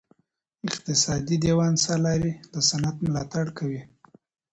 اقتصادي دیوان سالاري د صنعت ملاتړ کوي.